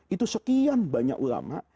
itu sekian banyak ulama